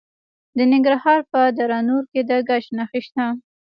د ننګرهار په دره نور کې د ګچ نښې شته.